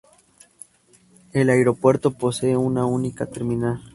El aeropuerto posee una única terminal.